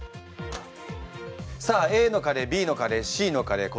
さあＡのカレーＢのカレーＣのカレー